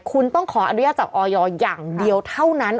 คุณต้องขออนุญาตจากออยอย่างเดียวเท่านั้น